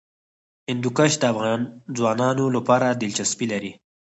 هندوکش د افغان ځوانانو لپاره دلچسپي لري.